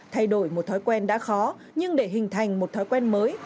thay đổi một thói quen đã khó nhưng để hình thành một thói quen mới